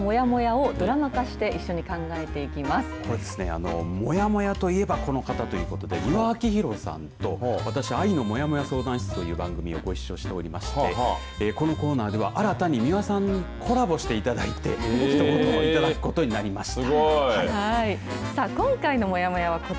身近なもやもやをドラマ化してそうですね、もやもやといえばこの方ということで美輪明宏さんと私愛のもやもや相談室という番組ご一緒しておりましてこのコーナーでは新たにも美輪さんにコラボしていただいて一言いただくことになりました。